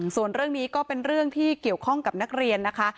ส่วนเรื่องนี้ก็เป็นเรื่องที่เกี่ยวข้องกับนักเรียนนะคะ